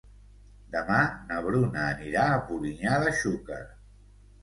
Demà na Bruna anirà a Polinyà de Xúquer.